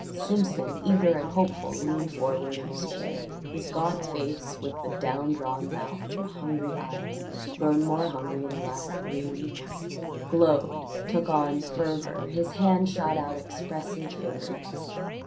Simpson, eager and hopeful, leaned forward in his chair. His gaunt face with the down drawn mouth and the hungry eyes grown more hungry in the last three weeks glowed, took on fervour; his hand shot out expressive fingers.